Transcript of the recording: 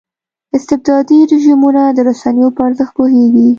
استبدادي رژیمونه د رسنیو په ارزښت پوهېږي.